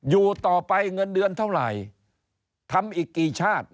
อยู่ต่อไปเงินเดือนเท่าไหร่ทำอีกกี่ชาติ